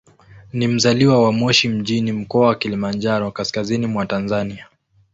Ni mzaliwa wa Moshi mjini, Mkoa wa Kilimanjaro, kaskazini mwa Tanzania.